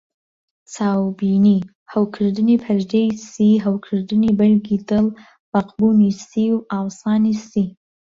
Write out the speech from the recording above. چاوبینی: هەوکردنی پەردەی سی، هەوکردنی بەرگی دڵ، ڕەقبوونی سی و ئاوسانی سی.